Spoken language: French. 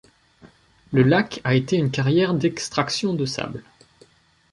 Le lac a été une carrière d'extraction de sable.